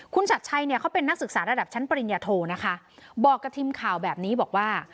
คุณชัดชัยเนี่ยเขาเป็นนักศึกษาระดับชั้นปริญญาโทนะคะบอกกับทีมข่าวแบบนี้บอกว่า